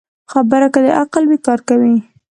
خبره که د عقل وي، کار کوي